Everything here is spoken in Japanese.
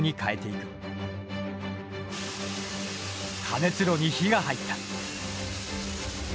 加熱炉に火が入った。